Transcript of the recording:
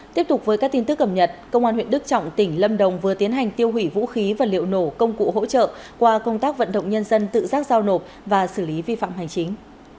tiếp tục với các tin tức cầm nhật công an huyện đức trọng tỉnh lâm đồng vừa tiến hành tiêu hủy vũ khí và liệu nổ công cụ hỗ trợ qua công tác vận động nhân dân tự giác giao nộp và xử lý vi phạm hành chính